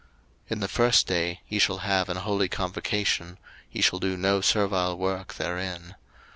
03:023:007 In the first day ye shall have an holy convocation: ye shall do no servile work therein.